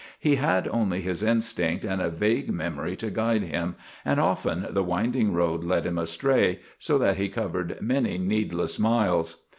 He had only his instinct and a vague memory to guide him, and often the winding road led him astray, so that he covered many needless miles.